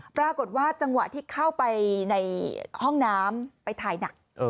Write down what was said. ปรากฏว่าจังหวะที่เข้าไปในห้องน้ำไปถ่ายหนัก